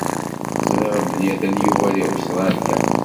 Ẓriɣ belli atan Yuba di Ustralya.